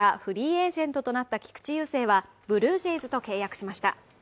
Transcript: マリナーズからフリーエージェントとなった菊池雄星はブルージェイズと契約しました。